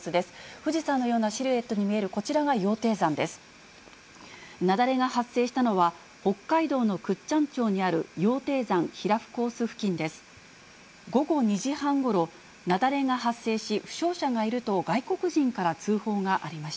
富士山のようなシルエットに見えるこちらが羊蹄山です。